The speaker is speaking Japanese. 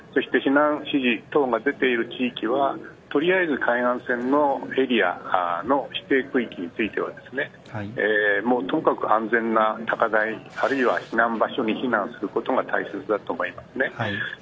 避難指示等が出ている地域は取りあえず海岸線のエリアの指定区域についてはですねとにかく安全な高台あるいは避難場所に避難することが大切だと思います。